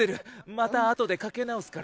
またあとでかけ直すから。